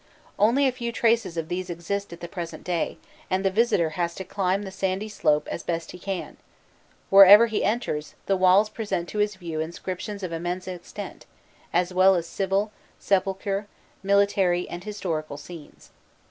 Only a few traces of these exist at the present day, and the visitor has to climb the sandy slope as best he can: wherever he enters, the walls present to his view inscriptions of immense extent, as well as civil, sepulchral, military, and historical scenes.